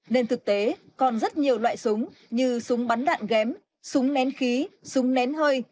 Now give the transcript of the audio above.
nên thực tế còn rất nhiều loại súng như súng bắn đạn ghém súng nén khí súng nén hơi